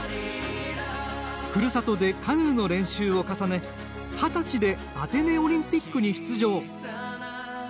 ふるさとでカヌーの練習を重ね二十歳でアテネオリンピックに出場。